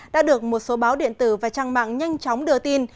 đã được một số báo điện tử và trang mạng nhanh chóng đưa tin